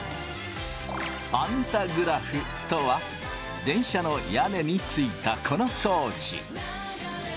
パンタグラフとは電車の屋根についたこの装置。